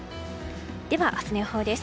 では、明日の予報です。